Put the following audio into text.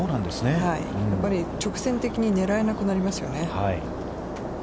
やっぱり、直線的に狙えなくなりますよね。